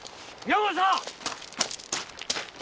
宮元さん！